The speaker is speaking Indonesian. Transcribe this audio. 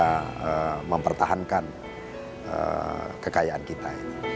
untuk mempertahankan kekayaan kita